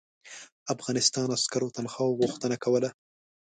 افغانستان عسکرو تنخواوو غوښتنه کوله.